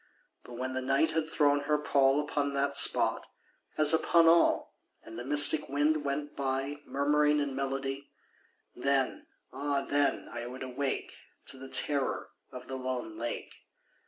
But when the Night had thrown her pall Upon that spot, as upon all, And the mystic wind went by Murmuring in melody— Then—ah then I would awake To the terror of the lone lake.